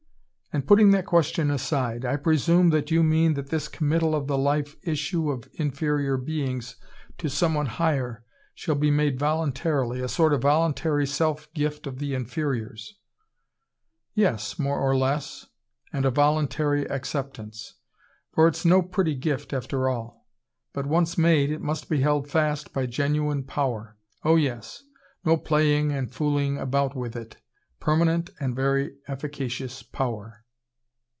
"And putting that question aside: I presume that you mean that this committal of the life issue of inferior beings to someone higher shall be made voluntarily a sort of voluntary self gift of the inferiors " "Yes more or less and a voluntary acceptance. For it's no pretty gift, after all. But once made it must be held fast by genuine power. Oh yes no playing and fooling about with it. Permanent and very efficacious power."